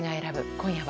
今夜は。